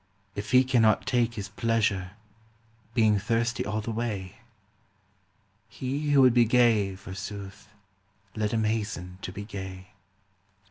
If he cannot take his pleasure, Being thirsty all the way ? He who would be gay, forsooth, Let him hasten to be gay.